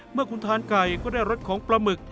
เมื่อคุณทานไก่ก็ได้รสของปลาหมึก